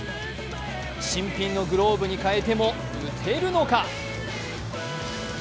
新品のグローブに代えても打てるのか？